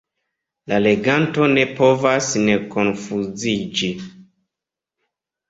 La leganto ne povas ne konfuziĝi.